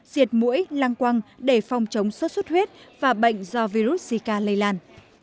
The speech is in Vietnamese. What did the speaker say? diệt mũi lăng quăng để phòng chống sốt xuất huyết và bệnh do virus zika lây lan